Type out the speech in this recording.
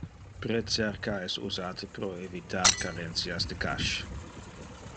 Pre-cerca es usate pro evitar carentias de cache.